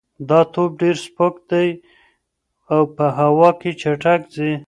دا توپ ډېر سپک دی او په هوا کې چټک ځي.